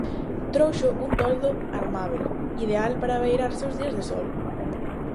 Trouxo un toldo armábel, ideal para abeirarse os días de sol.